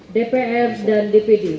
dpr dan dpd